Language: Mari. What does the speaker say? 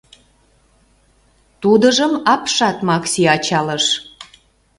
Тудыжым Апшат Макси ачалыш.